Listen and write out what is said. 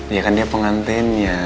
ya kan dia pengantinnya